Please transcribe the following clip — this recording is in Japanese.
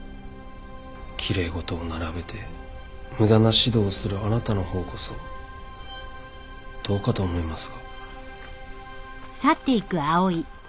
奇麗事を並べて無駄な指導をするあなたの方こそどうかと思いますが。